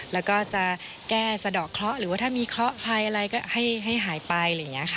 แล้วก็จะแก้สะดอกคล้อหรือว่าถ้ามีคล้อพายอะไรก็ให้หายไป